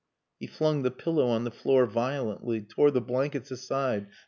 He flung the pillow on the floor violently, tore the blankets aside....